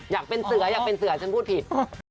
อยากเป็นเสือฉันพูดผิด